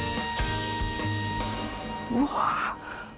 うわ。